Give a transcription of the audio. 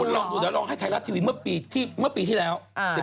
ลองดูเดี๋ยวลองให้ไทยรัฐทีวีเมื่อปีที่แล้ว